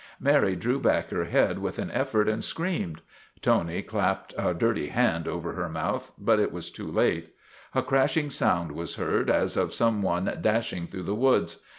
Mary drew back her head with an effort and screamed. Tony clapped a dirty hand over her mouth, but it was too late. A crashing sound was heard, as of some one dashing through the woods.